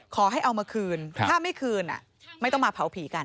ขอให้เอามาคืนถ้าไม่คืนไม่ต้องมาเผาผีกัน